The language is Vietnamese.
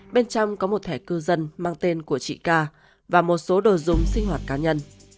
bên trong có một thẻ cư dân mang tên của chị ca và một số đồ dùng sinh hoạt cá nhân